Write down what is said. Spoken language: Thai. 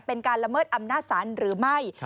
เป็นการละเมิดอำนาจศาลหรือไม่